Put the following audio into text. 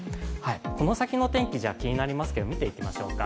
この先の天気気になりますけれども見ていきましょうか。